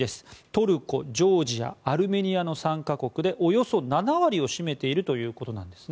トルコ、ジョージアアルメニアの３か国でおよそ７割を占めているということなんです。